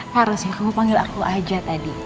harusnya kamu panggil aku aja tadi